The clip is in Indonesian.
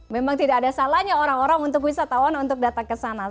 memang tidak ada salahnya orang orang untuk wisatawan untuk datang ke sana